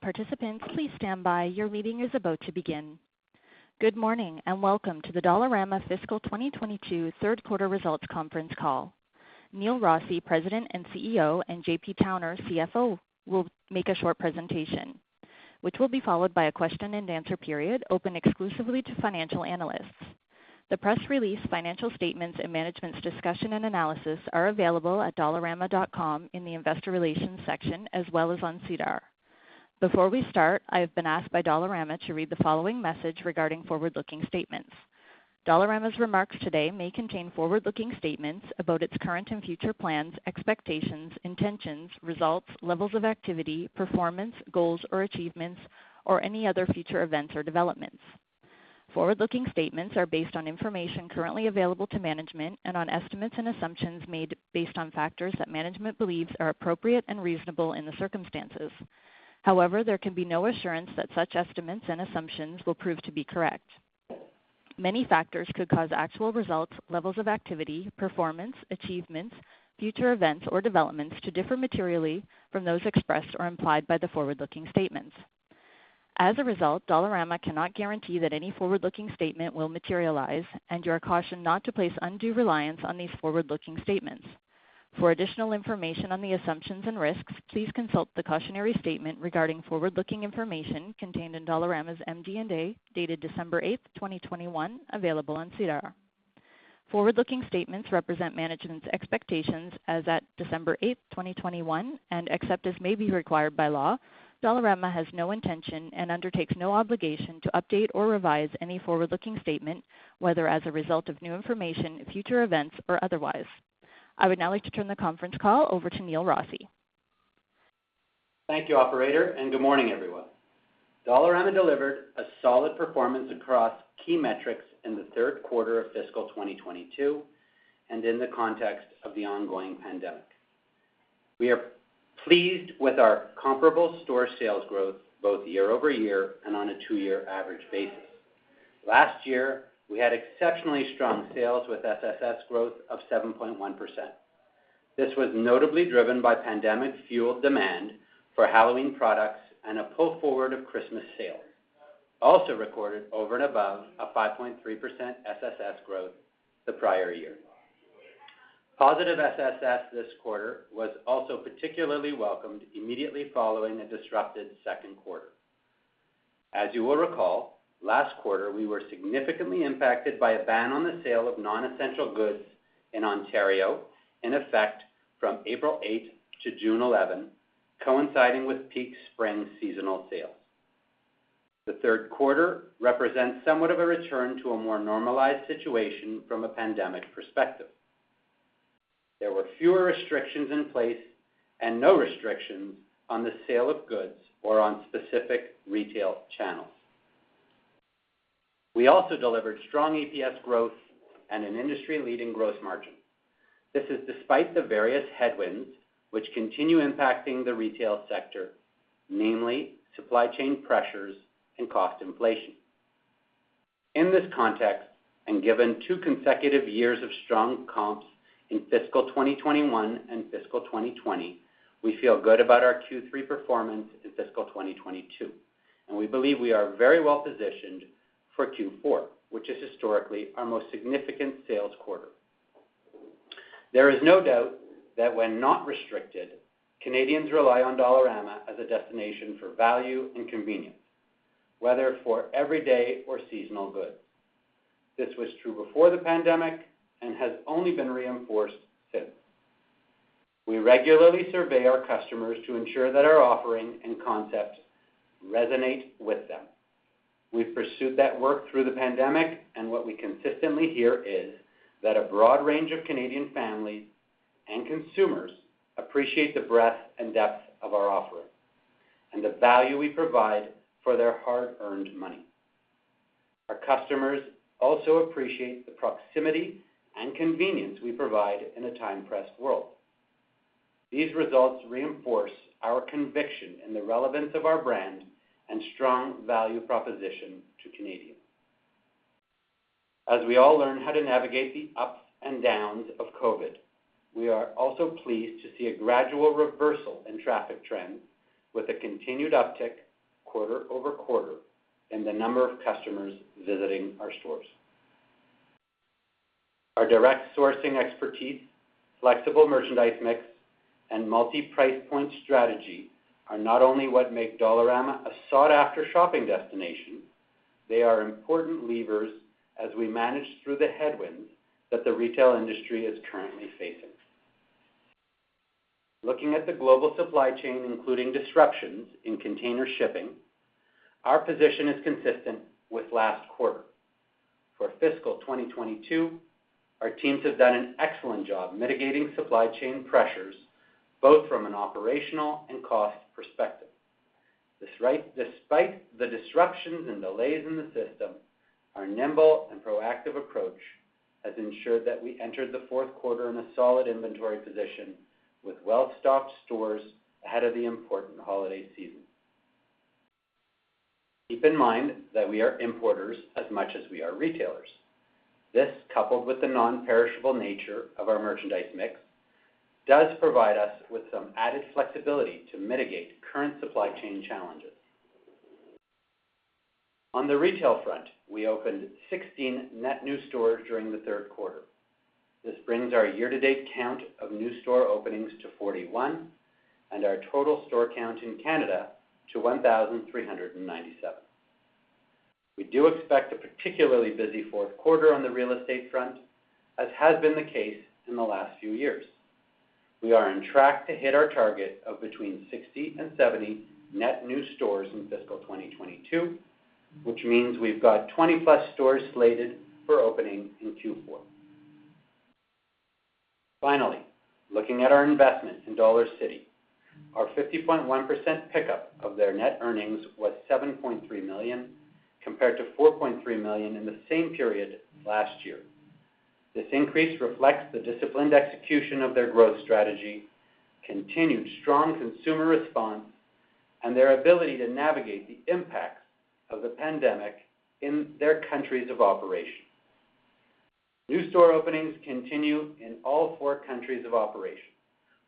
Good morning, and welcome to the Dollarama Fiscal 2022 Third Quarter Results Conference Call. Neil Rossy, President and CEO, and J.P. Towner, CFO, will make a short presentation, which will be followed by a question and answer period open exclusively to financial analysts. The press release, financial statements, and management's discussion and analysis are available at dollarama.com in the Investor Relations section, as well as on SEDAR. Before we start, I have been asked by Dollarama to read the following message regarding forward-looking statements. Dollarama's remarks today may contain forward-looking statements about its current and future plans, expectations, intentions, results, levels of activity, performance, goals or achievements, or any other future events or developments. Forward-looking statements are based on information currently available to management and on estimates and assumptions made based on factors that management believes are appropriate and reasonable in the circumstances. However, there can be no assurance that such estimates and assumptions will prove to be correct. Many factors could cause actual results, levels of activity, performance, achievements, future events, or developments to differ materially from those expressed or implied by the forward-looking statements. As a result, Dollarama cannot guarantee that any forward-looking statement will materialize, and you are cautioned not to place undue reliance on these forward-looking statements. For additional information on the assumptions and risks, please consult the cautionary statement regarding forward-looking information contained in Dollarama's MD&A, dated December 8, 2021, available on SEDAR. Forward-looking statements represent management's expectations as at December eighth, 2021, and except as may be required by law, Dollarama has no intention and undertakes no obligation to update or revise any forward-looking statement, whether as a result of new information, future events, or otherwise. I would now like to turn the conference call over to Neil Rossy. Thank you, operator, and good morning, everyone. Dollarama delivered a solid performance across key metrics in the third quarter of fiscal 2022, and in the context of the ongoing pandemic. We are pleased with our comparable store sales growth both year-over-year and on a two-year average basis. Last year, we had exceptionally strong sales with SSS growth of 7.1%. This was notably driven by pandemic-fueled demand for Halloween products and a pull forward of Christmas sales, also recorded over and above a 5.3% SSS growth the prior year. Positive SSS this quarter was also particularly welcomed immediately following a disrupted second quarter. As you will recall, last quarter, we were significantly impacted by a ban on the sale of non-essential goods in Ontario, in effect from April 8 to June 11, coinciding with peak spring seasonal sales. The third quarter represents somewhat of a return to a more normalized situation from a pandemic perspective. There were fewer restrictions in place and no restrictions on the sale of goods or on specific retail channels. We also delivered strong EPS growth and an industry-leading growth margin. This is despite the various headwinds which continue impacting the retail sector, namely supply chain pressures and cost inflation. In this context, and given two consecutive years of strong comps in fiscal 2021 and fiscal 2020, we feel good about our Q3 performance in fiscal 2022, and we believe we are very well-positioned for Q4, which is historically our most significant sales quarter. There is no doubt that when not restricted, Canadians rely on Dollarama as a destination for value and convenience, whether for everyday or seasonal goods. This was true before the pandemic and has only been reinforced since. We regularly survey our customers to ensure that our offering and concepts resonate with them. We've pursued that work through the pandemic, and what we consistently hear is that a broad range of Canadian families and consumers appreciate the breadth and depth of our offering and the value we provide for their hard-earned money. Our customers also appreciate the proximity and convenience we provide in a time-pressed world. These results reinforce our conviction in the relevance of our brand and strong value proposition to Canadians. As we all learn how to navigate the ups and downs of COVID, we are also pleased to see a gradual reversal in traffic trends with a continued uptick quarter over quarter in the number of customers visiting our stores. Our direct sourcing expertise, flexible merchandise mix, and multi-price point strategy are not only what make Dollarama a sought-after shopping destination, they are important levers as we manage through the headwinds that the retail industry is currently facing. Looking at the global supply chain, including disruptions in container shipping, our position is consistent with last quarter. For fiscal 2022, our teams have done an excellent job mitigating supply chain pressures, both from an operational and cost perspective. Despite the disruptions and delays in the system, our nimble and proactive approach has ensured that we entered the fourth quarter in a solid inventory position with well-stocked stores ahead of the important holiday season. Keep in mind that we are importers as much as we are retailers. This, coupled with the non-perishable nature of our merchandise mix, does provide us with some added flexibility to mitigate current supply chain challenges. On the retail front, we opened 16 net new stores during the third quarter. This brings our year-to-date count of new store openings to 41 and our total store count in Canada to 1,397. We do expect a particularly busy fourth quarter on the real estate front, as has been the case in the last few years. We are on track to hit our target of between 60 and 70 net new stores in fiscal 2022, which means we've got 20+ stores slated for opening in Q4. Finally, looking at our investment in Dollarcity, our 50.1% pickup of their net earnings was 7.3 million, compared to 4.3 million in the same period last year. This increase reflects the disciplined execution of their growth strategy, continued strong consumer response, and their ability to navigate the impacts of the pandemic in their countries of operation. New store openings continue in all four countries of operation,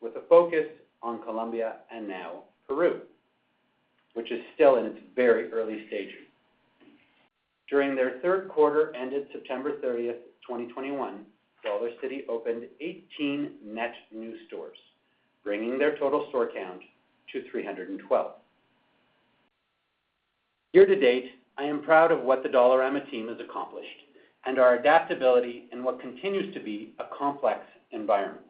with a focus on Colombia and now Peru, which is still in its very early stages. During their third quarter, ended September 30, 2021, Dollarcity opened 18 net new stores, bringing their total store count to 312. Year-to-date, I am proud of what the Dollarama team has accomplished and our adaptability in what continues to be a complex environment.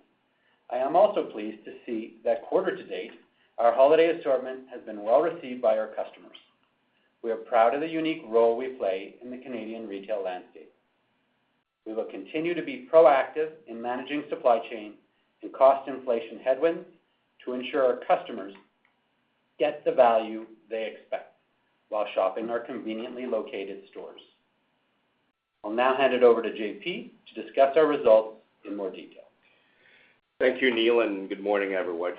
I am also pleased to see that quarter-to-date, our holiday assortment has been well-received by our customers. We are proud of the unique role we play in the Canadian retail landscape. We will continue to be proactive in managing supply chain and cost inflation headwinds to ensure our customers get the value they expect while shopping our conveniently located stores. I'll now hand it over to J.P. to discuss our results in more detail. Thank you, Neil, and good morning, everyone.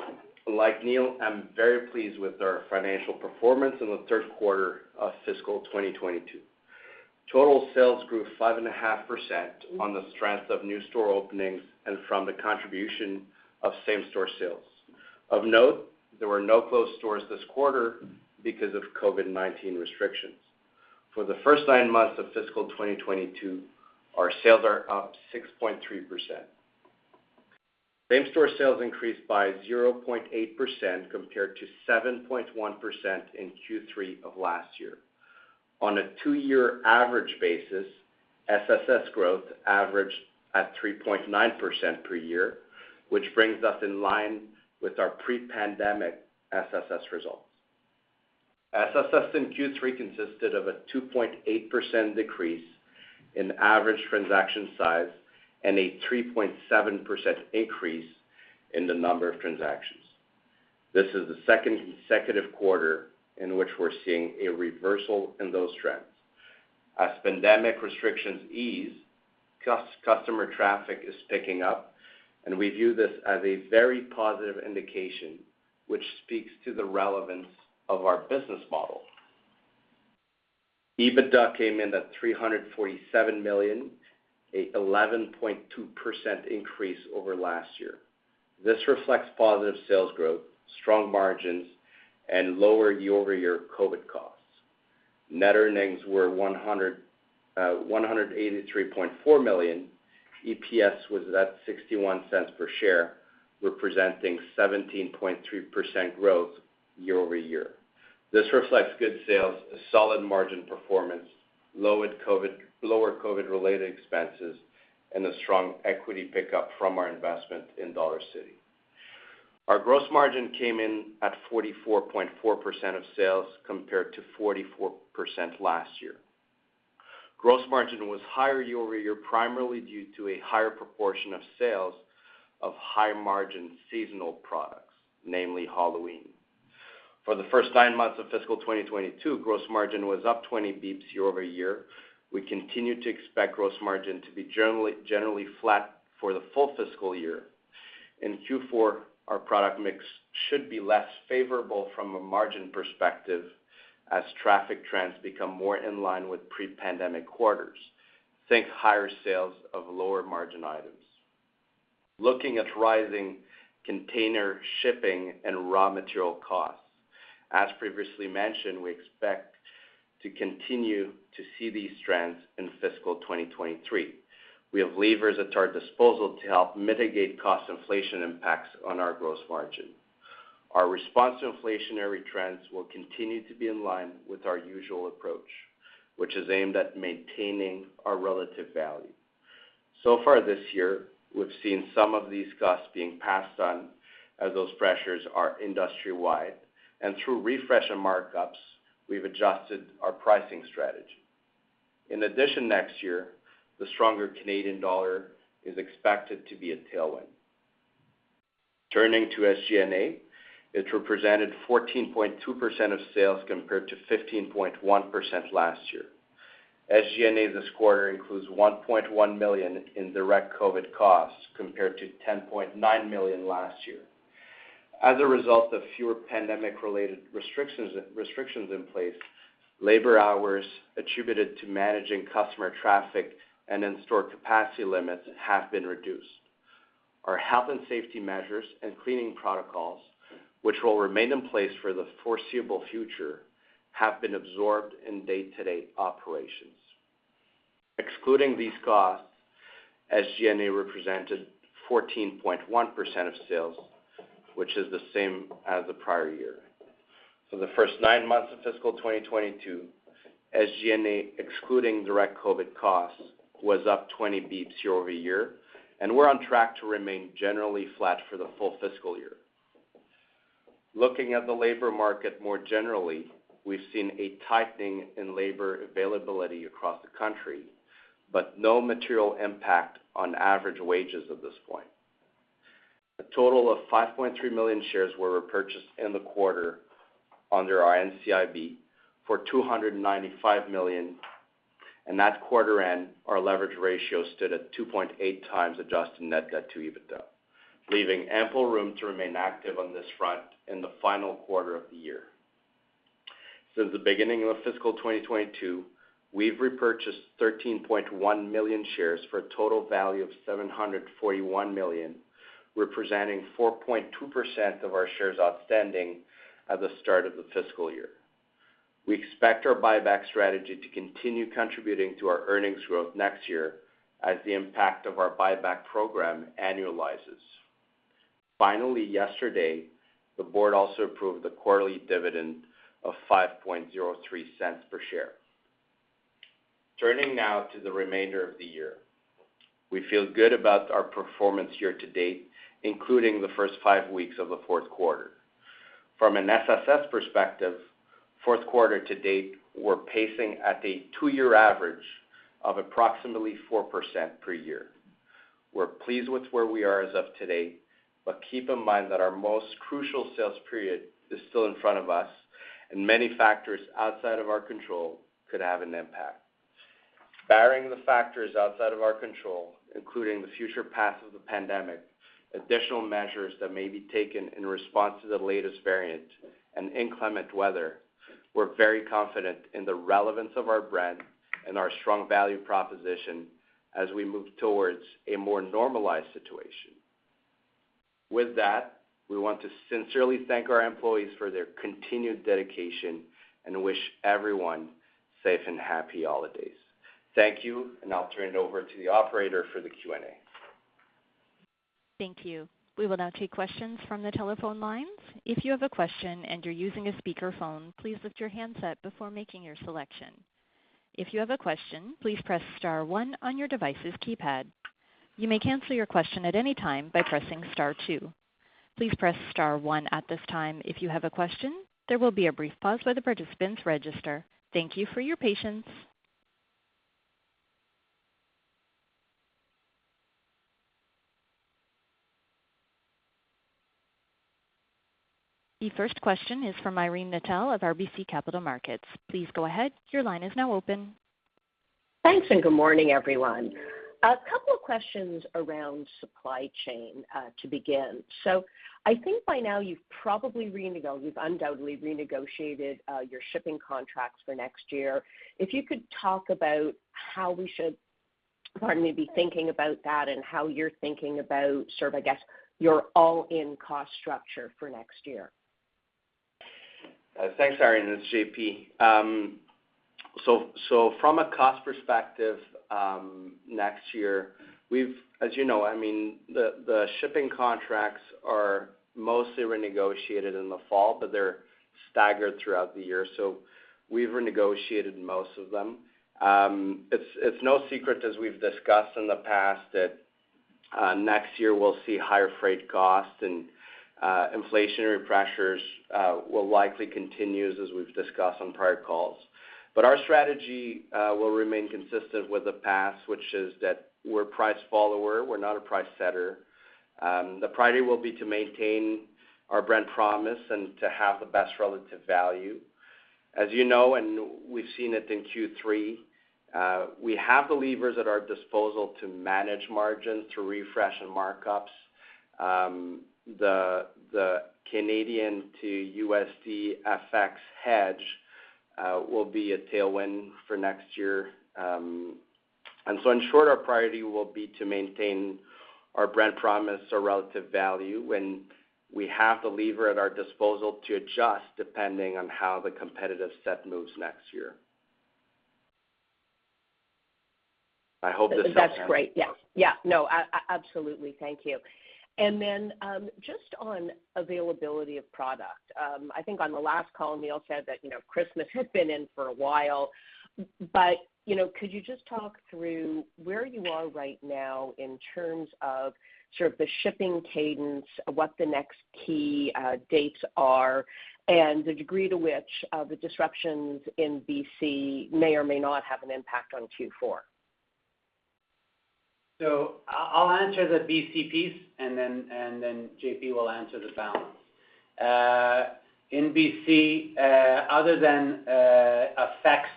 Like Neil, I'm very pleased with our financial performance in the third quarter of fiscal 2022. Total sales grew 5.5% on the strength of new store openings and from the contribution of same-store sales. Of note, there were no closed stores this quarter because of COVID-19 restrictions. For the first nine months of fiscal 2022, our sales are up 6.3%. Same-store sales increased by 0.8% compared to 7.1% in Q3 of last year. On a two-year average basis, SSS growth averaged at 3.9% per year, which brings us in line with our pre-pandemic SSS results. SSS in Q3 consisted of a 2.8% decrease in average transaction size and a 3.7% increase in the number of transactions. This is the second consecutive quarter in which we're seeing a reversal in those trends. As pandemic restrictions ease, customer traffic is picking up, and we view this as a very positive indication, which speaks to the relevance of our business model. EBITDA came in at 347 million, an 11.2% increase over last year. This reflects positive sales growth, strong margins, and lower year-over-year COVID costs. Net earnings were 183.4 million. EPS was at 0.61 per share, representing 17.3% growth year-over-year. This reflects good sales, a solid margin performance, lower COVID-related expenses, and a strong equity pickup from our investment in Dollarcity. Our gross margin came in at 44.4% of sales compared to 44% last year. Gross margin was higher year-over-year, primarily due to a higher proportion of sales of high-margin seasonal products, namely Halloween. For the first nine months of fiscal 2022, gross margin was up 20 basis points year-over-year. We continue to expect gross margin to be generally flat for the full fiscal year. In Q4, our product mix should be less favorable from a margin perspective as traffic trends become more in line with pre-pandemic quarters. Think higher sales of lower-margin items. Looking at rising container shipping and raw material costs, as previously mentioned, we expect to continue to see these trends in fiscal 2023. We have levers at our disposal to help mitigate cost inflation impacts on our gross margin. Our response to inflationary trends will continue to be in line with our usual approach, which is aimed at maintaining our relative value. So far this year, we've seen some of these costs being passed on as those pressures are industry-wide, and through refresh and markups, we've adjusted our pricing strategy. In addition, next year, the stronger Canadian dollar is expected to be a tailwind. Turning to SG&A, it represented 14.2% of sales compared to 15.1% last year. SG&A this quarter includes 1.1 million in direct COVID costs compared to 10.9 million last year. As a result of fewer pandemic-related restrictions in place, labor hours attributed to managing customer traffic and in-store capacity limits have been reduced. Our health and safety measures and cleaning protocols, which will remain in place for the foreseeable future, have been absorbed in day-to-day operations. Excluding these costs, SG&A represented 14.1% of sales, which is the same as the prior year. For the first nine months of fiscal 2022, SG&A, excluding direct COVID costs, was up 20 basis points year-over-year, and we're on track to remain generally flat for the full fiscal year. Looking at the labor market more generally, we've seen a tightening in labor availability across the country, but no material impact on average wages at this point. A total of 5.3 million shares were repurchased in the quarter under our NCIB for 295 million. At quarter end, our leverage ratio stood at 2.8 times adjusted net debt to EBITDA, leaving ample room to remain active on this front in the final quarter of the year. Since the beginning of fiscal 2022, we've repurchased 13.1 million shares for a total value of 741 million, representing 4.2% of our shares outstanding at the start of the fiscal year. We expect our buyback strategy to continue contributing to our earnings growth next year as the impact of our buyback program annualizes. Finally, yesterday, the board also approved the quarterly dividend of 5.03 per share. Turning now to the remainder of the year. We feel good about our performance year-to-date, including the first five weeks of the fourth quarter. From an SSS perspective, fourth quarter to date, we're pacing at a two-year average of approximately 4% per year. We're pleased with where we are as of today, but keep in mind that our most crucial sales period is still in front of us, and many factors outside of our control could have an impact. Barring the factors outside of our control, including the future path of the pandemic, additional measures that may be taken in response to the latest variant, and inclement weather, we're very confident in the relevance of our brand and our strong value proposition as we move towards a more normalized situation. With that, we want to sincerely thank our employees for their continued dedication and wish everyone safe and happy holidays. Thank you, and I'll turn it over to the operator for the Q&A. Thank you. We will now take questions from the telephone lines. If you have a question and you're using a speakerphone, please lift your handset before making your selection. If you have a question, please press star 1 on your device's keypad. You may cancel your question at any time by pressing star 2. Please press star 1 at this time if you have a question. There will be a brief pause while the participants register. Thank you for your patience. The first question is from Irene Nattel of RBC Capital Markets. Please go ahead. Your line is now open. Thanks, and good morning, everyone. A couple of questions around supply chain to begin. I think by now you've undoubtedly renegotiated your shipping contracts for next year. If you could talk about how we should, pardon me, be thinking about that and how you're thinking about sort of, I guess, your all-in cost structure for next year. Thanks, Irene. It's J.P. From a cost perspective, next year, as you know, I mean, the shipping contracts are mostly renegotiated in the fall, but they're staggered throughout the year. We've renegotiated most of them. It's no secret, as we've discussed in the past, that next year we'll see higher freight costs and inflationary pressures will likely continue as we've discussed on prior calls. Our strategy will remain consistent with the past, which is that we're a price follower, we're not a price setter. The priority will be to maintain our brand promise and to have the best relative value. As you know, we've seen it in Q3, we have the levers at our disposal to manage margins, to refresh and markups. The Canadian to USD FX hedge will be a tailwind for next year. In short, our priority will be to maintain our brand promise or relative value when we have the lever at our disposal to adjust depending on how the competitive set moves next year. I hope this helps. That's great. Yeah. Yeah. No, absolutely. Thank you. Just on availability of product. I think on the last call, Neil said that, you know, Christmas had been in for a while. But, you know, could you just talk through where you are right now in terms of sort of the shipping cadence, what the next key dates are, and the degree to which the disruptions in B.C. may or may not have an impact on Q4? I'll answer the B.C. piece and then J.P. will answer the balance. In B.C., other than effects,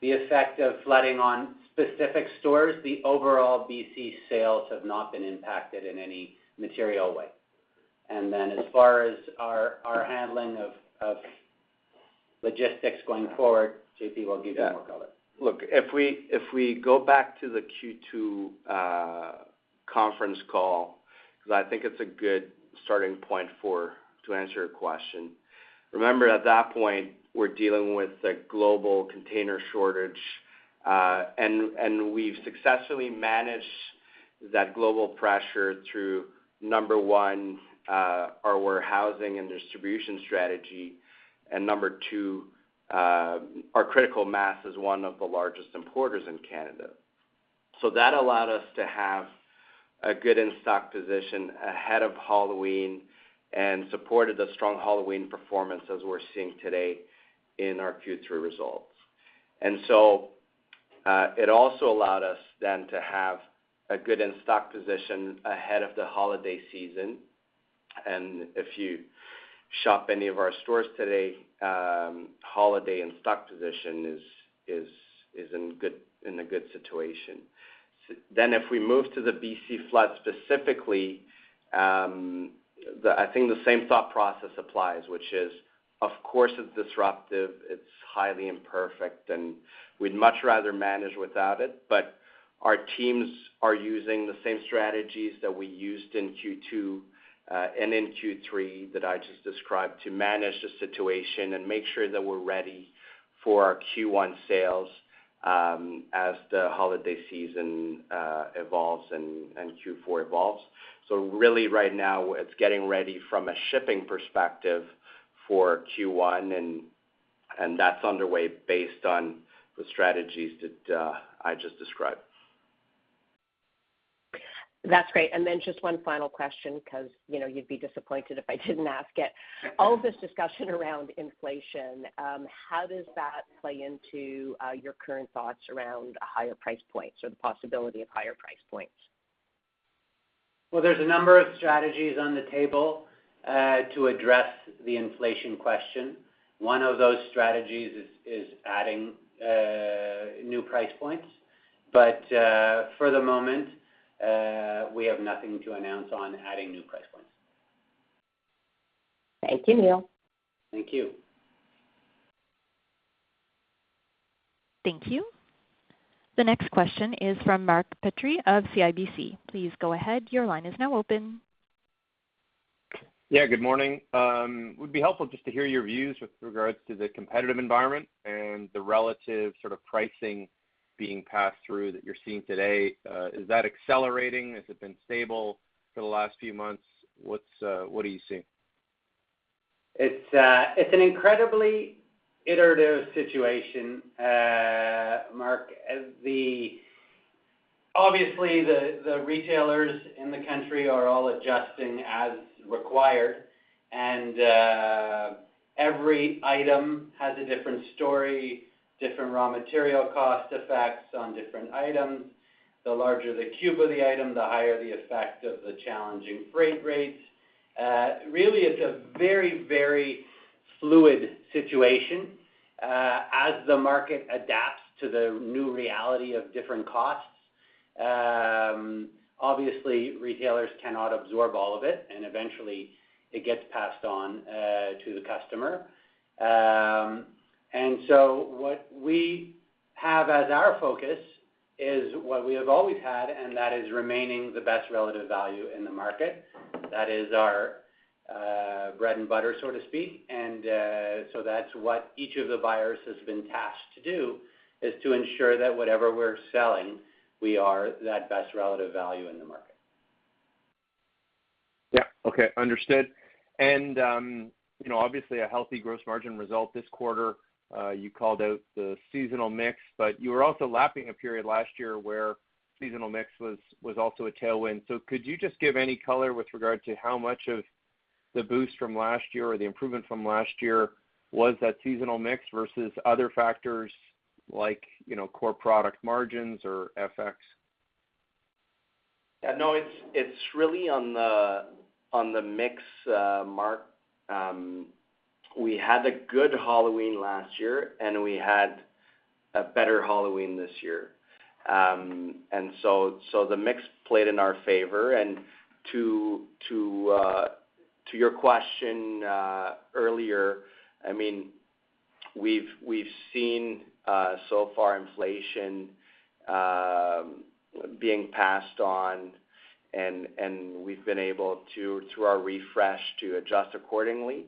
the effect of flooding on specific stores, the overall B.C. sales have not been impacted in any material way. As far as our handling of logistics going forward, J.P. will give you more color. Yeah. Look, if we go back to the Q2 conference call, because I think it's a good starting point to answer your question. Remember at that point, we're dealing with a global container shortage, and we've successfully managed that global pressure through, number one, our warehousing and distribution strategy, and number two, our critical mass as one of the largest importers in Canada. That allowed us to have a good in-stock position ahead of Halloween and supported the strong Halloween performance as we're seeing today in our Q3 results. It also allowed us then to have a good in-stock position ahead of the holiday season. If you shop any of our stores today, holiday in-stock position is in a good situation. If we move to the B.C. flood specifically, I think the same thought process applies, which is, of course, it's disruptive, it's highly imperfect, and we'd much rather manage without it. Our teams are using the same strategies that we used in Q2 and in Q3 that I just described, to manage the situation and make sure that we're ready for our Q1 sales as the holiday season evolves and Q4 evolves. Really right now, it's getting ready from a shipping perspective for Q1 and that's underway based on the strategies that I just described. That's great. Just one final question, because, you know, you'd be disappointed if I didn't ask it. All this discussion around inflation, how does that play into, your current thoughts around higher price points or the possibility of higher price points? Well, there's a number of strategies on the table to address the inflation question. One of those strategies is adding new price points. For the moment, we have nothing to announce on adding new price points. Thank you, Neil. Thank you. Thank you. The next question is from Mark Petrie of CIBC. Please go ahead, your line is now open. Yeah, good morning. It would be helpful just to hear your views with regards to the competitive environment and the relative sort of pricing being passed through that you're seeing today. Is that accelerating? Has it been stable for the last few months? What are you seeing? It's an incredibly iterative situation, Mark. Obviously the retailers in the country are all adjusting as required, and every item has a different story, different raw material cost effects on different items. The larger the cube of the item, the higher the effect of the challenging freight rates. Really it's a very, very fluid situation. As the market adapts to the new reality of different costs, obviously retailers cannot absorb all of it, and eventually it gets passed on to the customer. What we have as our focus is what we have always had, and that is remaining the best relative value in the market. That is our bread and butter, so to speak. That's what each of the buyers has been tasked to do, is to ensure that whatever we're selling, we are that best relative value in the market. Yeah. Okay. Understood. You know, obviously a healthy gross margin result this quarter. You called out the seasonal mix, but you were also lapping a period last year where seasonal mix was also a tailwind. Could you just give any color with regard to how much of the boost from last year or the improvement from last year was that seasonal mix versus other factors like, you know, core product margins or FX? Yeah, no, it's really on the mix, Mark. We had a good Halloween last year, and we had a better Halloween this year. The mix played in our favor. To your question earlier, I mean, we've seen so far inflation being passed on and we've been able to, through our refresh, to adjust accordingly.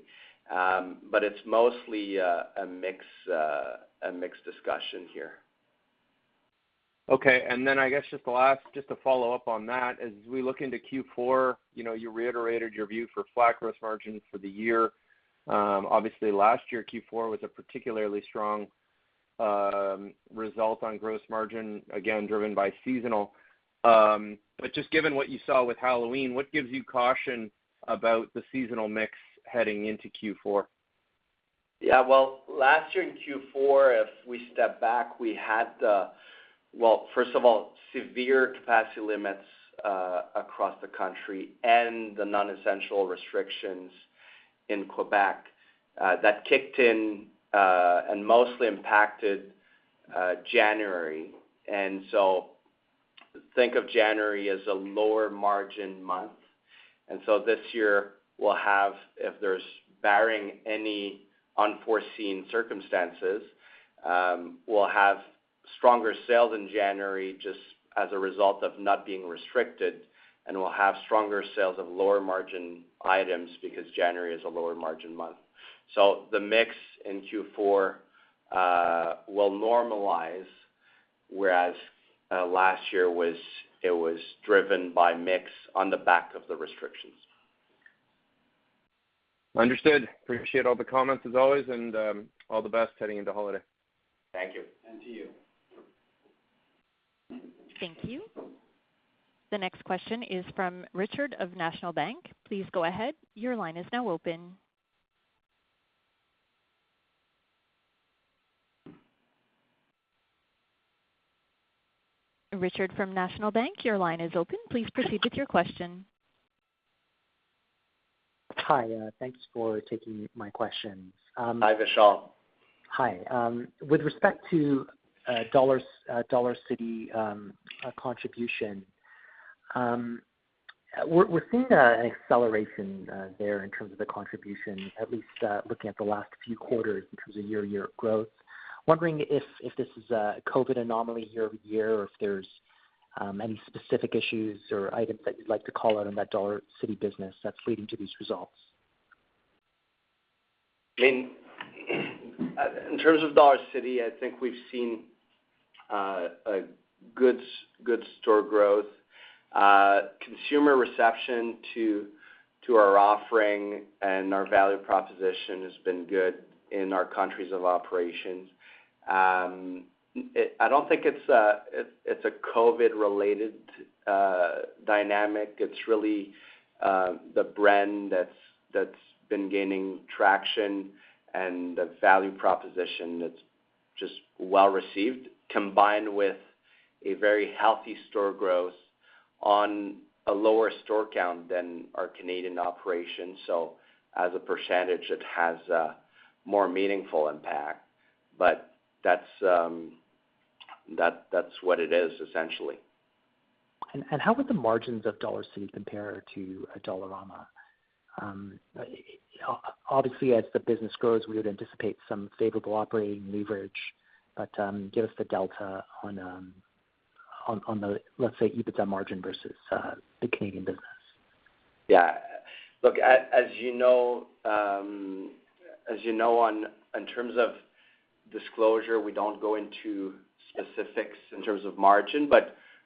It's mostly a mix discussion here. Okay. I guess just to follow up on that, as we look into Q4, you know, you reiterated your view for flat growth margins for the year. Obviously last year, Q4 was a particularly strong result on gross margin, again, driven by seasonal. Just given what you saw with Halloween, what gives you caution about the seasonal mix heading into Q4? Yeah. Well, last year in Q4, if we step back, we had, well, first of all, severe capacity limits across the country and the non-essential restrictions in Quebec that kicked in and mostly impacted January. Think of January as a lower margin month. This year, we'll have, barring any unforeseen circumstances, we'll have stronger sales in January just as a result of not being restricted, and we'll have stronger sales of lower margin items because January is a lower margin month. The mix in Q4 will normalize, whereas last year it was driven by mix on the back of the restrictions. Understood. Appreciate all the comments as always, and, all the best heading into holiday. Thank you. To you. Thank you. The next question is from Vishal Shreedhar of National Bank. Please go ahead. Your line is now open. Vishal Shreedhar from National Bank, your line is open. Please proceed with your question. Hi, thanks for taking my questions. Hi, Vishal. Hi. With respect to Dollarcity contribution, we're seeing an acceleration there in terms of the contribution, at least looking at the last few quarters in terms of year-over-year growth. Wondering if this is a COVID anomaly year-over-year, or if there's any specific issues or items that you'd like to call out on that Dollarcity business that's leading to these results? In terms of Dollarcity, I think we've seen a good store growth. Consumer reception to our offering and our value proposition has been good in our countries of operations. I don't think it's a COVID-related dynamic. It's really the brand that's been gaining traction and the value proposition that's just well-received, combined with a very healthy store growth on a lower store count than our Canadian operations. As a percentage, it has a more meaningful impact. That's what it is, essentially. How would the margins of Dollarcity compare to a Dollarama? Obviously, as the business grows, we would anticipate some favorable operating leverage. Give us the delta on the, let's say, EBITDA margin versus the Canadian business. Yeah. Look, as you know, in terms of disclosure, we don't go into specifics in terms of margin.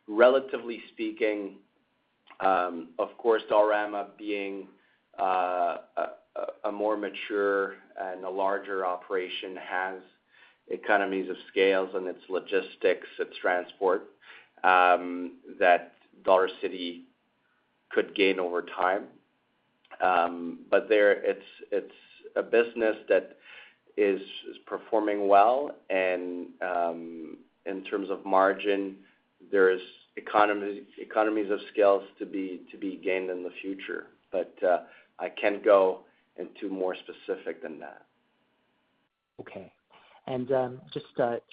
Relatively speaking, of course, Dollarama being a more mature and a larger operation has economies of scale in its logistics, its transport that Dollarcity could gain over time. They're a business that is performing well, and in terms of margin, there's economies of scale to be gained in the future. I can't go into more specifics than that. Okay. Just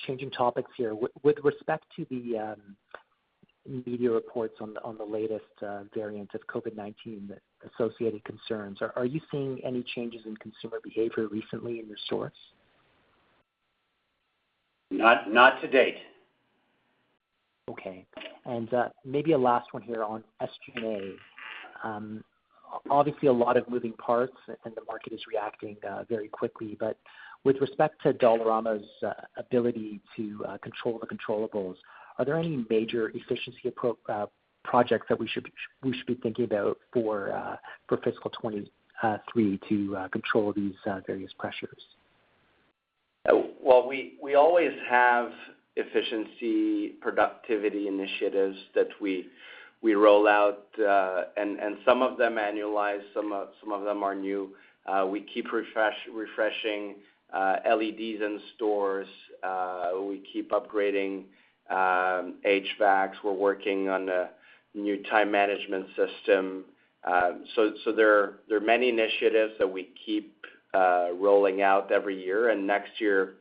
changing topics here. With respect to the media reports on the latest variant of COVID-19 associated concerns, are you seeing any changes in consumer behavior recently in your stores? Not to date. Okay. Maybe a last one here on SG&A. Obviously a lot of moving parts and the market is reacting very quickly. With respect to Dollarama's ability to control the controllables, are there any major efficiency projects that we should be thinking about for fiscal 2023 to control these various pressures? Well, we always have efficiency, productivity initiatives that we roll out, and some of them annualize, some of them are new. We keep refreshing LEDs in stores. We keep upgrading HVACs. We're working on a new time management system. So, there are many initiatives that we keep rolling out every year. Next year,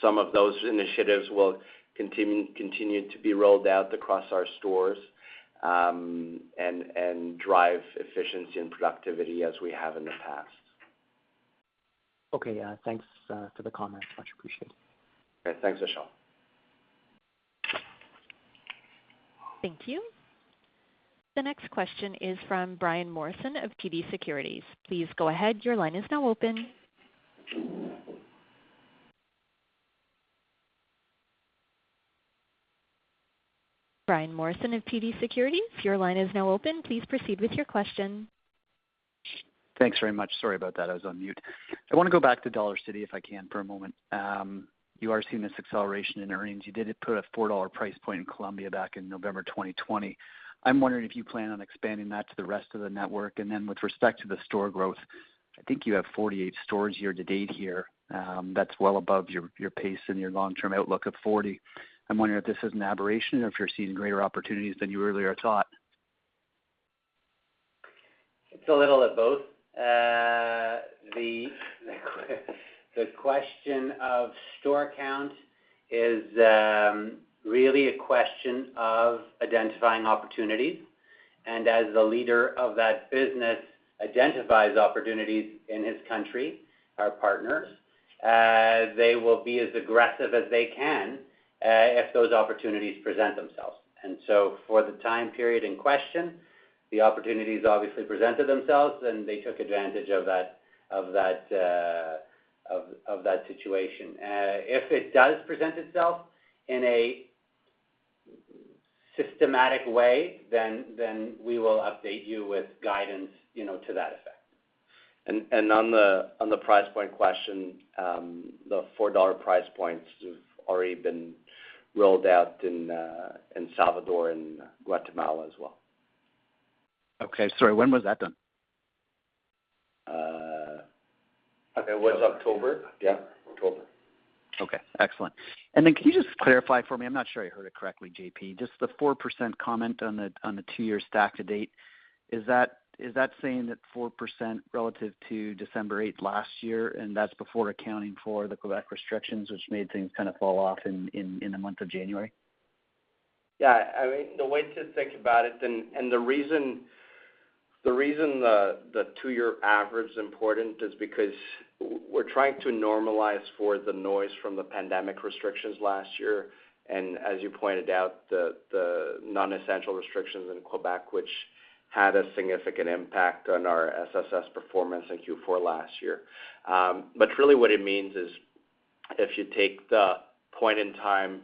some of those initiatives will continue to be rolled out across our stores, and drive efficiency and productivity as we have in the past. Okay. Yeah, thanks, for the comment. Much appreciated. Okay. Thanks, Vishal. Thank you. The next question is from Brian Morrison of TD Securities. Please go ahead, your line is now open. Brian Morrison of TD Securities, your line is now open. Please proceed with your question. Thanks very much. Sorry about that, I was on mute. I wanna go back to Dollarcity, if I can, for a moment. You are seeing this acceleration in earnings. You did put a $4 price point in Colombia back in November 2020. I'm wondering if you plan on expanding that to the rest of the network. Then with respect to the store growth, I think you have 48 stores year-to-date here, that's well above your pace and your long-term outlook of 40. I'm wondering if this is an aberration or if you're seeing greater opportunities than you earlier thought. It's a little of both. The question of store count is really a question of identifying opportunities. As the leader of that business identifies opportunities in his country, our partners, they will be as aggressive as they can if those opportunities present themselves. For the time period in question, the opportunities obviously presented themselves, and they took advantage of that situation. If it does present itself in a systematic way, then we will update you with guidance, you know, to that effect. On the price point question, the $4 price points have already been rolled out in Salvador and Guatemala as well. Okay. Sorry, when was that done? I think it was October. Yeah, October. Okay, excellent. Can you just clarify for me, I'm not sure I heard it correctly, J.P., just the 4% comment on the two-year stack to date. Is that saying that 4% relative to December 8 last year, and that's before accounting for the Quebec restrictions, which made things kind of fall off in the month of January? Yeah. I mean, the way to think about it then, and the reason the two-year average is important is because we're trying to normalize for the noise from the pandemic restrictions last year, and as you pointed out, the non-essential restrictions in Quebec, which had a significant impact on our SSS performance in Q4 last year. But really what it means is if you take the point in time,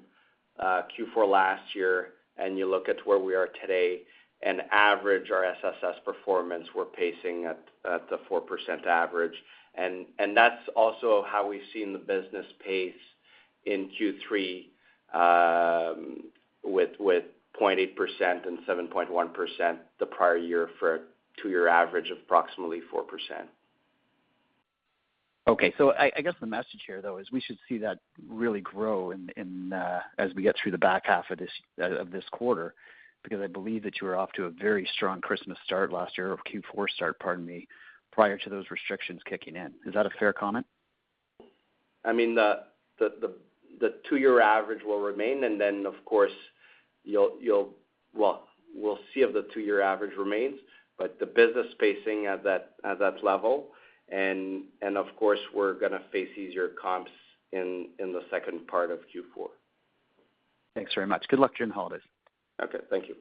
Q4 last year, and you look at where we are today and average our SSS performance, we're pacing at the 4% average. And that's also how we've seen the business pace in Q3, with 0.8% and 7.1% the prior year for a two-year average of approximately 4%. Okay. I guess the message here though is we should see that really grow in as we get through the back half of this quarter because I believe that you were off to a very strong Christmas start last year or Q4 start, pardon me, prior to those restrictions kicking in. Is that a fair comment? I mean, the two-year average will remain and then, of course, well, we'll see if the two-year average remains, but the business pacing at that level and of course we're gonna face easier comps in the second part of Q4. Thanks very much. Good luck during the holidays. Okay, thank you.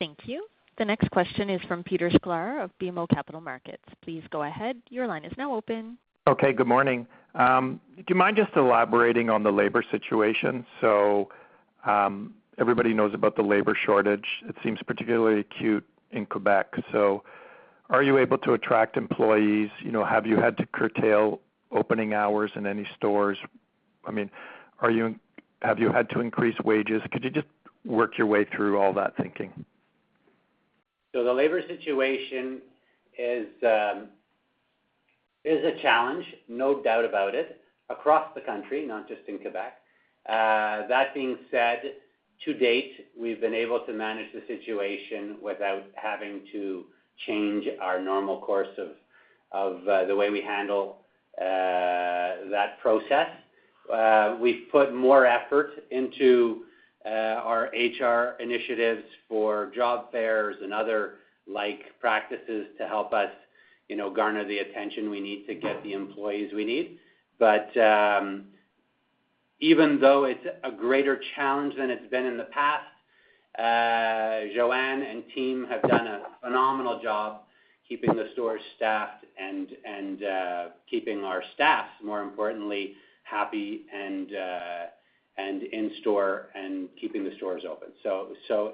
Thank you. The next question is from Peter Sklar of BMO Capital Markets. Please go ahead, your line is now open. Okay, good morning. Do you mind just elaborating on the labor situation? Everybody knows about the labor shortage. It seems particularly acute in Quebec. Are you able to attract employees? You know, have you had to curtail opening hours in any stores? I mean, have you had to increase wages? Could you just work your way through all that thinking? The labor situation is a challenge, no doubt about it, across the country, not just in Quebec. That being said, to date, we've been able to manage the situation without having to change our normal course of the way we handle that process. We've put more effort into our HR initiatives for job fairs and other like practices to help us, you know, garner the attention we need to get the employees we need. But even though it's a greater challenge than it's been in the past, Joanne and team have done a phenomenal job keeping the stores staffed and keeping our staffs, more importantly, happy and in store and keeping the stores open.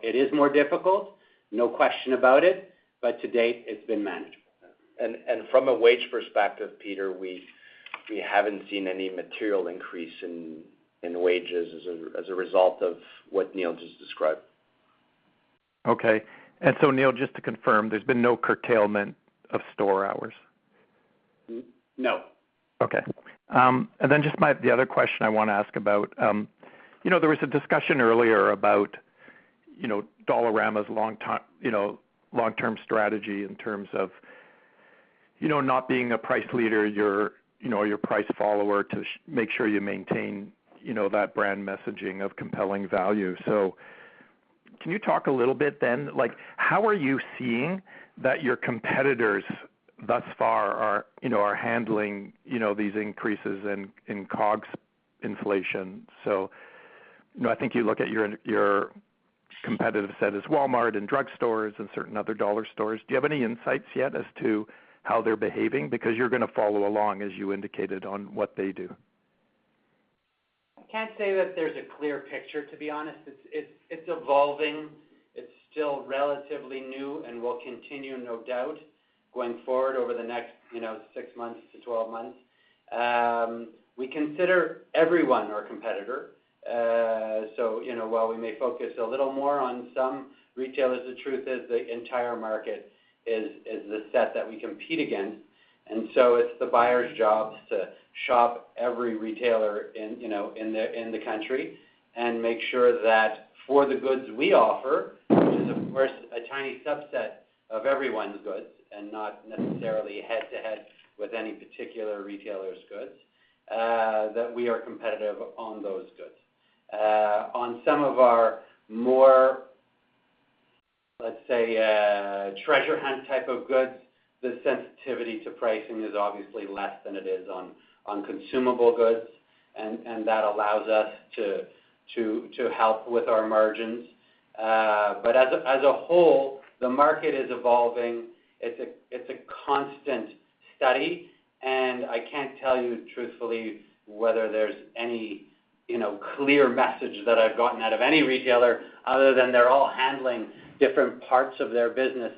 It is more difficult, no question about it, but to date, it's been manageable. From a wage perspective, Peter, we haven't seen any material increase in wages as a result of what Neil just described. Okay. Neil, just to confirm, there's been no curtailment of store hours? No. Okay. The other question I wanna ask about, you know, there was a discussion earlier about, you know, Dollarama's long-term strategy in terms of, you know, not being a price leader, you're, you know, you're a price follower to make sure you maintain, you know, that brand messaging of compelling value. Can you talk a little bit then, like how are you seeing that your competitors thus far are, you know, handling, you know, these increases in COGS inflation? You know, I think you look at your competitive set as Walmart and drugstores and certain other dollar stores. Do you have any insights yet as to how they're behaving? Because you're gonna follow along, as you indicated, on what they do. I can't say that there's a clear picture, to be honest. It's evolving. It's still relatively new and will continue no doubt going forward over the next, you know, 6 months-12 months. We consider everyone our competitor. So, you know, while we may focus a little more on some retailers, the truth is the entire market is the set that we compete against. It's the buyer's job to shop every retailer in, you know, in the country and make sure that for the goods we offer, which is of course a tiny subset of everyone's goods and not necessarily head-to-head with any particular retailer's goods, that we are competitive on those goods. On some of our more, let's say, treasure hunt type of goods, the sensitivity to pricing is obviously less than it is on consumable goods, and that allows us to help with our margins. As a whole, the market is evolving. It's a constant study, and I can't tell you truthfully whether there's any, you know, clear message that I've gotten out of any retailer other than they're all handling different parts of their business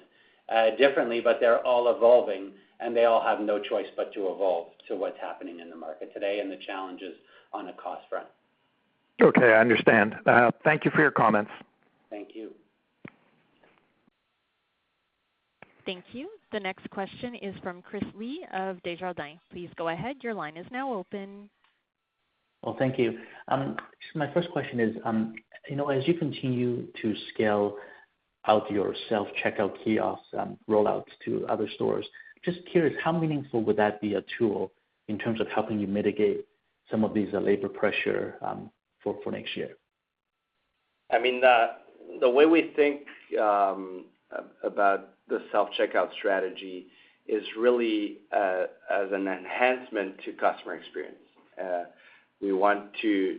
differently, but they're all evolving, and they all have no choice but to evolve to what's happening in the market today and the challenges on the cost front. Okay, I understand. Thank you for your comments. Thank you. Thank you. The next question is from Chris Li of Desjardins. Please go ahead. Your line is now open. Well, thank you. My first question is, you know, as you continue to scale out your self-checkout kiosks and rollouts to other stores, just curious, how meaningful would that be a tool in terms of helping you mitigate some of these labor pressure, for next year? I mean, the way we think about the self-checkout strategy is really as an enhancement to customer experience. We want to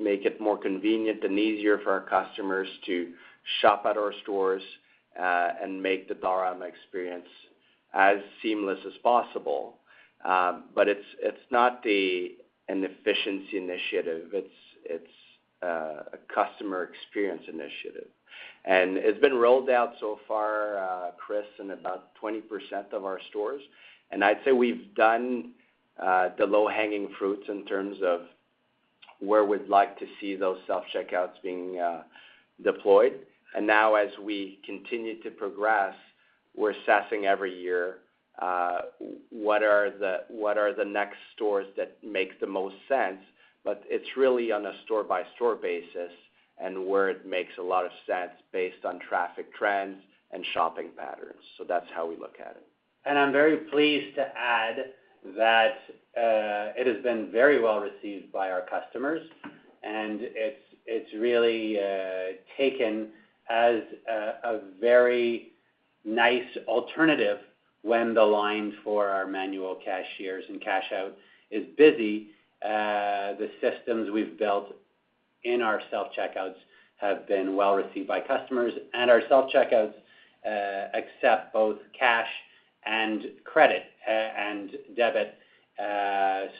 make it more convenient and easier for our customers to shop at our stores and make the Dollarama experience as seamless as possible. It's a customer experience initiative. It's been rolled out so far, Chris, in about 20% of our stores. I'd say we've done the low-hanging fruits in terms of where we'd like to see those self-checkouts being deployed. Now as we continue to progress, we're assessing every year what are the next stores that make the most sense. It's really on a store-by-store basis and where it makes a lot of sense based on traffic trends and shopping patterns. That's how we look at it. I'm very pleased to add that, it has been very well received by our customers, and it's really taken as a very nice alternative when the line for our manual cashiers and cash out is busy. The systems we've built in our self-checkouts have been well received by customers, and our self-checkouts accept both cash and credit and debit. They're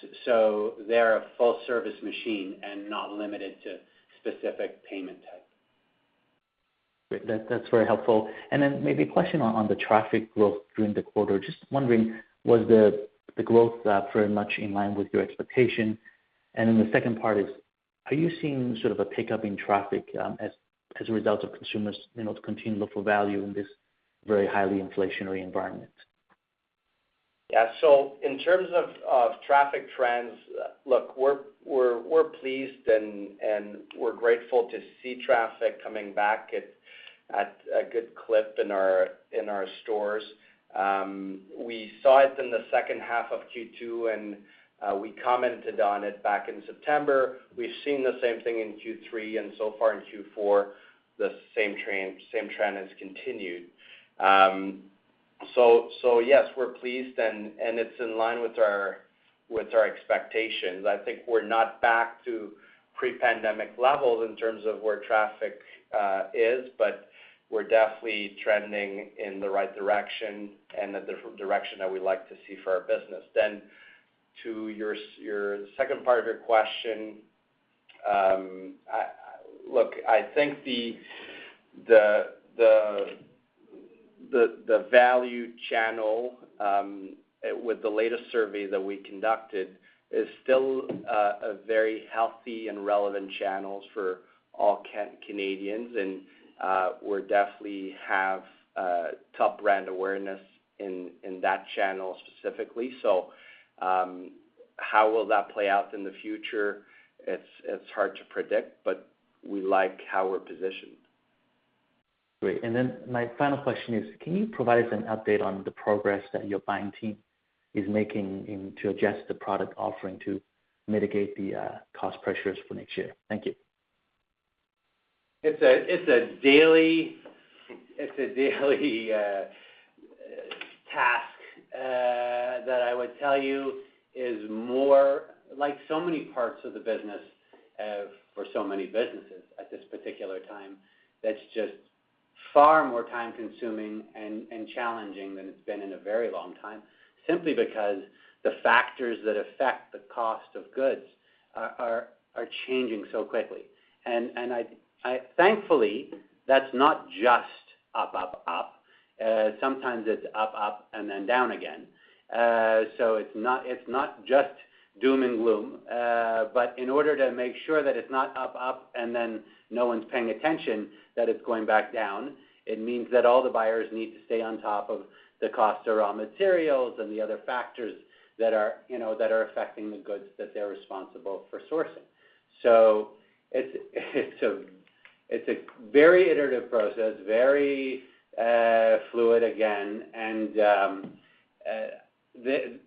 a full-service machine and not limited to specific payment type. Great. That's very helpful. Maybe a question on the traffic growth during the quarter. Just wondering, was the growth very much in line with your expectation? The second part is, are you seeing sort of a pickup in traffic as a result of consumers you know continue to look for value in this very highly inflationary environment? Yeah. In terms of traffic trends, look, we're pleased and we're grateful to see traffic coming back at a good clip in our stores. We saw it in the second half of Q2, and we commented on it back in September. We've seen the same thing in Q3, and so far in Q4, the same trend has continued. Yes, we're pleased and it's in line with our expectations. I think we're not back to pre-pandemic levels in terms of where traffic is, but we're definitely trending in the right direction and the direction that we like to see for our business. To your second part of your question, look, I think the value channel, with the latest survey that we conducted, is still a very healthy and relevant channel for all Canadians, and we definitely have top brand awareness in that channel specifically. How will that play out in the future? It's hard to predict, but we like how we're positioned. Great. My final question is, can you provide us an update on the progress that your buying team is making and to adjust the product offering to mitigate the cost pressures for next year? Thank you. It's a daily task that I would tell you is more like so many parts of the business for so many businesses at this particular time. That's just far more time-consuming and challenging than it's been in a very long time, simply because the factors that affect the cost of goods are changing so quickly. Thankfully, that's not just up. Sometimes it's up, and then down again. It's not just doom and gloom, but in order to make sure that it's not up and then no one's paying attention, that it's going back down, it means that all the buyers need to stay on top of the cost of raw materials and the other factors that are, you know, that are affecting the goods that they're responsible for sourcing. It's a very iterative process, very fluid again.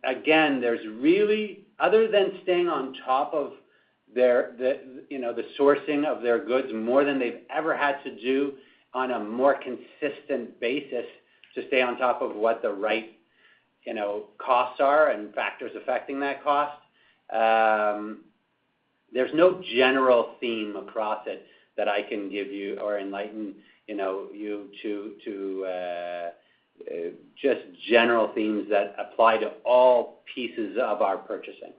Again, there's really, other than staying on top of their you know the sourcing of their goods more than they've ever had to do on a more consistent basis to stay on top of what the right you know costs are and factors affecting that cost, there's no general theme across it that I can give you or enlighten you know you to just general themes that apply to all pieces of our purchasing.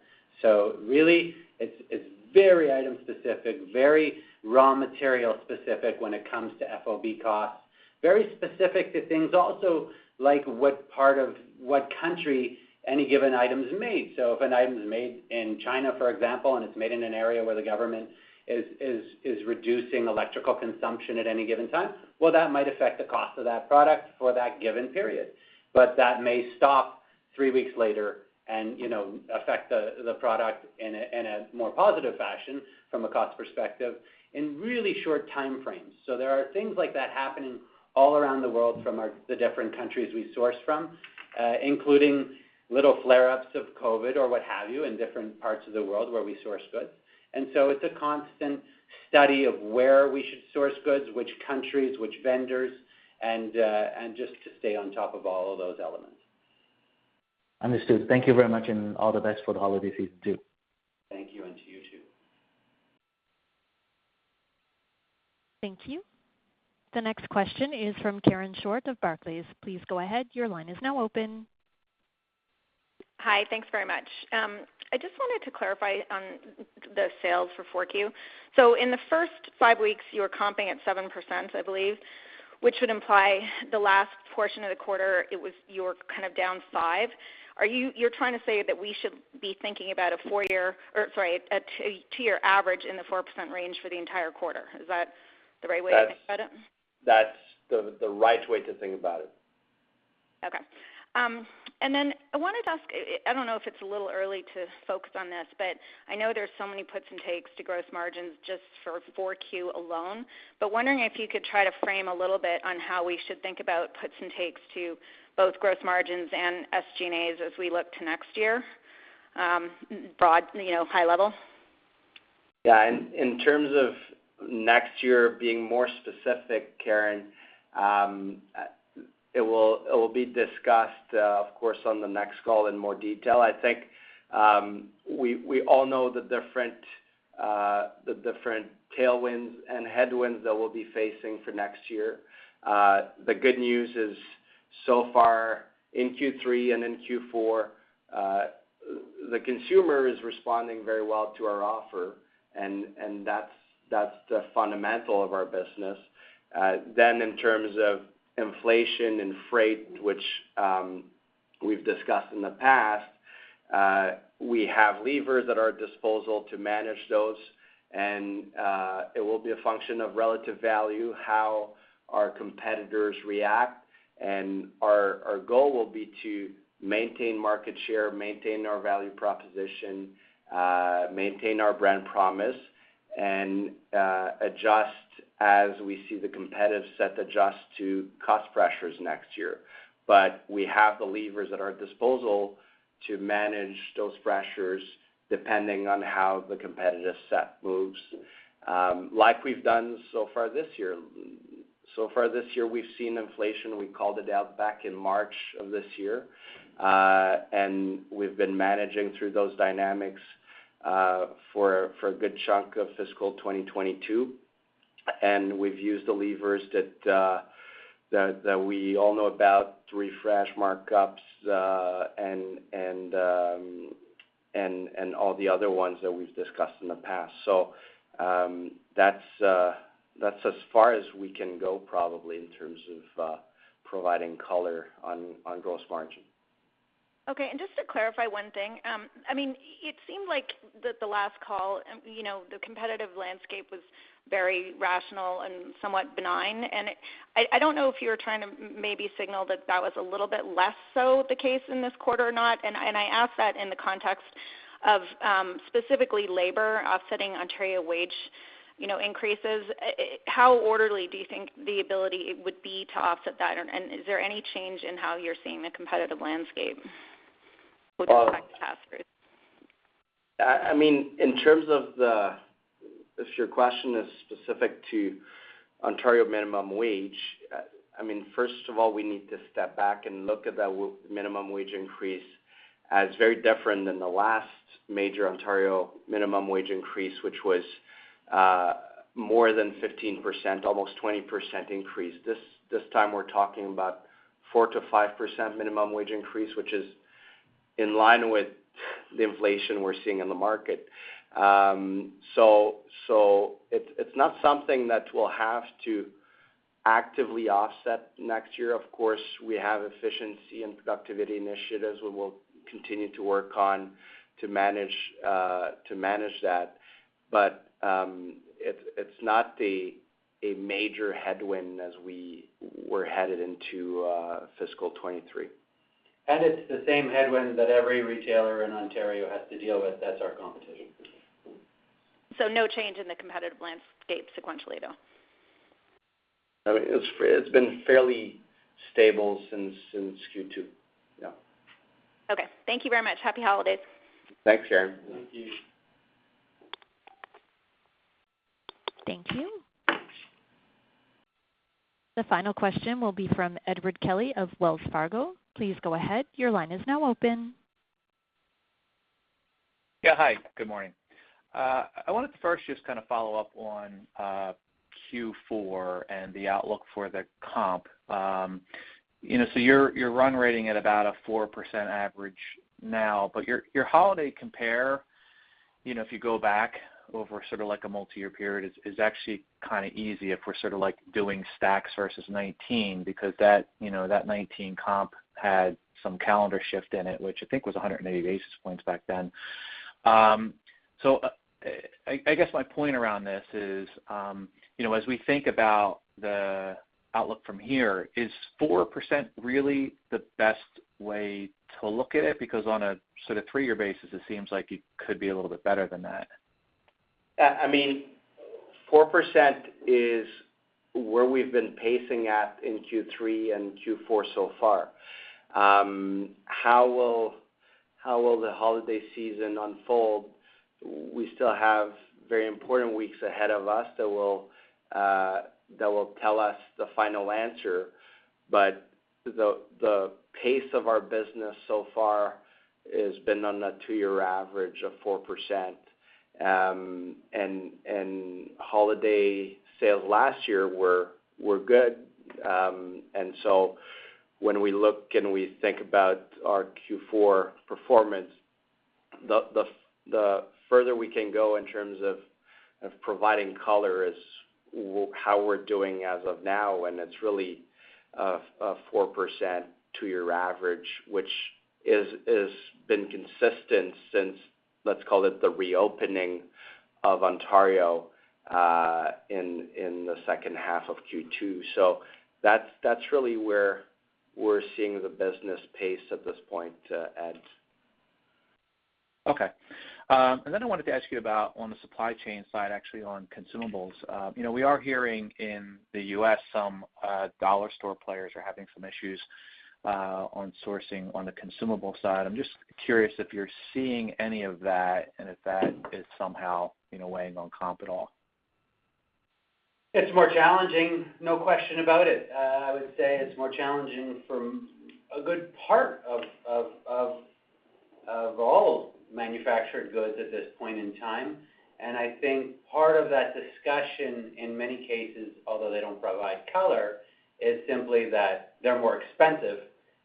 Really it's very item specific, very raw material specific when it comes to FOB costs, very specific to things also like what part of what country any given item is made. If an item is made in China, for example, and it's made in an area where the government is reducing electrical consumption at any given time, well, that might affect the cost of that product for that given period. That may stop three weeks later and, you know, affect the product in a more positive fashion from a cost perspective in really short timeframes. There are things like that happening all around the world from the different countries we source from, including little flareups of COVID or what have you in different parts of the world where we source goods. It's a constant study of where we should source goods, which countries, which vendors, and just to stay on top of all of those elements. Understood. Thank you very much and all the best for the holiday season too. Thank you and to you too. Thank you. The next question is from Karen Short of Barclays. Please go ahead. Your line is now open. Hi. Thanks very much. I just wanted to clarify on the sales for Q4. In the first five weeks, you were comping at 7%, I believe, which would imply the last portion of the quarter, you were kind of down 5%. Are you trying to say that we should be thinking about a two-year average in the 4% range for the entire quarter? Is that the right way to think about it? That's the right way to think about it. Okay. I wanted to ask, I don't know if it's a little early to focus on this, but I know there's so many puts and takes to gross margins just for Q4 alone, wondering if you could try to frame a little bit on how we should think about puts and takes to both gross margins and SG&As as we look to next year, broad, you know, high level. In terms of next year being more specific, Karen, it will be discussed, of course, on the next call in more detail. I think we all know the different tailwinds and headwinds that we'll be facing for next year. The good news is so far in Q3 and in Q4, the consumer is responding very well to our offer, and that's the fundamental of our business. In terms of inflation and freight, which we've discussed in the past, we have levers at our disposal to manage those and it will be a function of relative value, how our competitors react. Our goal will be to maintain market share, maintain our value proposition, maintain our brand promise, and adjust as we see the competitive set adjust to cost pressures next year. We have the levers at our disposal to manage those pressures depending on how the competitive set moves, like we've done so far this year. So far this year, we've seen inflation, we called it out back in March of this year. We've been managing through those dynamics for a good chunk of fiscal 2022. We've used the levers that we all know about to refresh markups and all the other ones that we've discussed in the past. That's as far as we can go probably in terms of providing color on gross margin. Okay. Just to clarify one thing, I mean, it seemed like the last call, you know, the competitive landscape was very rational and somewhat benign. I don't know if you were trying to maybe signal that was a little bit less so the case in this quarter or not. I ask that in the context of, specifically labor offsetting Ontario wage, you know, increases. How orderly do you think the ability would be to offset that? Is there any change in how you're seeing the competitive landscape with respect to cost rates? I mean, in terms of the if your question is specific to Ontario minimum wage, I mean, first of all, we need to step back and look at the minimum wage increase as very different than the last major Ontario minimum wage increase, which was more than 15%, almost 20% increase. This time we're talking about 4%-5% minimum wage increase, which is in line with the inflation we're seeing in the market. So it's not something that we'll have to actively offset next year. Of course, we have efficiency and productivity initiatives we will continue to work on to manage that. It's not a major headwind as we were headed into fiscal 2023. It's the same headwind that every retailer in Ontario has to deal with. That's our competition. No change in the competitive landscape sequentially, though? I mean, it's been fairly stable since Q2. Yeah. Okay. Thank you very much. Happy holidays. Thanks, Karen. Thank you. Thank you. The final question will be from Edward Kelly of Wells Fargo. Please go ahead. Your line is now open. Yeah, hi. Good morning. I wanted to first just kind of follow up on Q4 and the outlook for the comp. You know, so you're run-rate at about a 4% average now, but your holiday comp, you know, if you go back over sort of like a multi-year period is actually kind of easy if we're sort of like doing stacks versus 2019, because that, you know, that 2019 comp had some calendar shift in it, which I think was 180 basis points back then. So, I guess my point around this is, you know, as we think about the outlook from here, is 4% really the best way to look at it? Because on a sort of three-year basis, it seems like it could be a little bit better than that. I mean, 4% is where we've been pacing at in Q3 and Q4 so far. How will the holiday season unfold? We still have very important weeks ahead of us that will tell us the final answer. The pace of our business so far has been on a two-year average of 4%. Holiday sales last year were good. When we look and we think about our Q4 performance, the further we can go in terms of providing color is how we're doing as of now, and it's really a 4% two-year average, which is been consistent since, let's call it, the reopening of Ontario in the second half of Q2. That's really where we're seeing the business pace at this point, Ed. Okay. I wanted to ask you about on the supply chain side, actually on consumables. You know, we are hearing in the U.S. some dollar store players are having some issues on sourcing on the consumable side. I'm just curious if you're seeing any of that and if that is somehow, you know, weighing on comp at all. It's more challenging, no question about it. I would say it's more challenging from a good part of all manufactured goods at this point in time. I think part of that discussion in many cases, although they don't provide color, is simply that they're more expensive,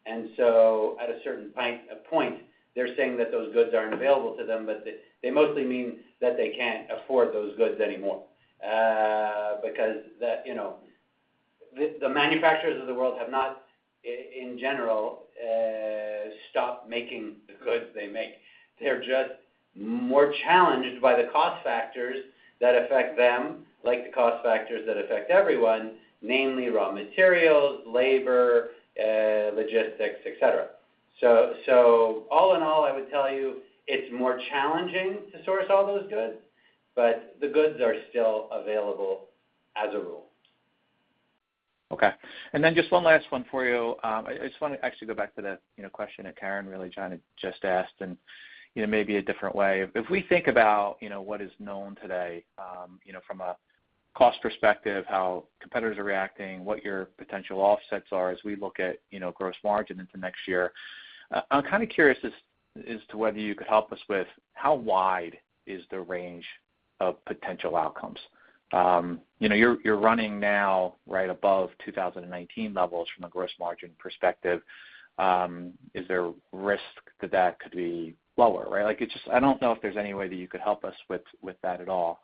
and so at a certain point, they're saying that those goods aren't available to them, but they mostly mean that they can't afford those goods anymore. Because the manufacturers of the world have not in general stopped making the goods they make. They're just more challenged by the cost factors that affect them, like the cost factors that affect everyone, namely raw materials, labor, logistics, et cetera. All in all, I would tell you it's more challenging to source all those goods, but the goods are still available as a rule. Okay. Just one last one for you. I just wanna actually go back to the, you know, question that Karen really trying to just ask and, you know, maybe a different way. If we think about, you know, what is known today, you know, from a cost perspective, how competitors are reacting, what your potential offsets are as we look at, you know, gross margin into next year, I'm kind of curious as to whether you could help us with how wide is the range of potential outcomes. You know, you're running now right above 2019 levels from a gross margin perspective. Is there risk that that could be lower, right? Like it's just I don't know if there's any way that you could help us with that at all,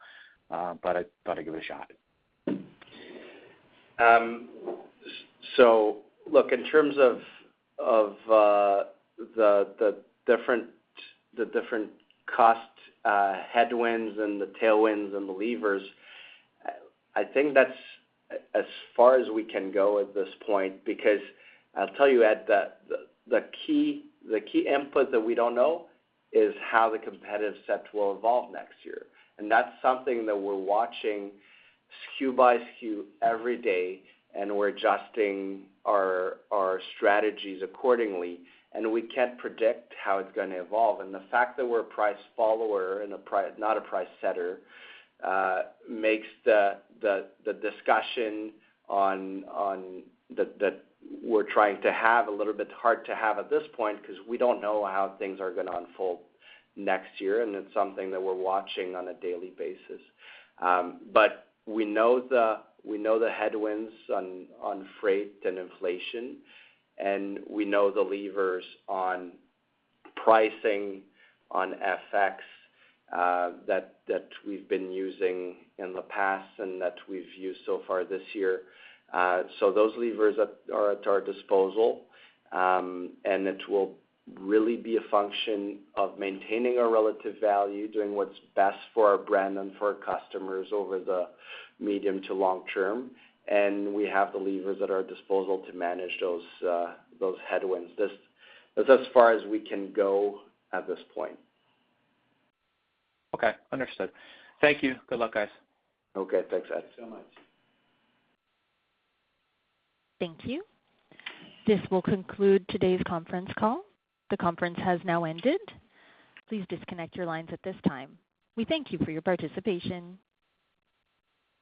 but I thought I'd give it a shot. Look, in terms of the different cost headwinds and the tailwinds and the levers, I think that's as far as we can go at this point, because I'll tell you, Ed, the key input that we don't know is how the competitive set will evolve next year. That's something that we're watching SKU by SKU every day, and we're adjusting our strategies accordingly. We can't predict how it's gonna evolve. The fact that we're a price follower and not a price setter makes the discussion on that we're trying to have a little bit hard to have at this point, because we don't know how things are gonna unfold next year, and it's something that we're watching on a daily basis. We know the headwinds on freight and inflation, and we know the levers on pricing, on FX, that we've been using in the past and that we've used so far this year. Those levers are at our disposal, and it will really be a function of maintaining our relative value, doing what's best for our brand and for our customers over the medium to long term. We have the levers at our disposal to manage those headwinds. That's as far as we can go at this point. Okay. Understood. Thank you. Good luck, guys. Okay. Thanks, Edward. Thank you so much. Thank you. This will conclude today's conference call. The conference has now ended. Please disconnect your lines at this time. We thank you for your participation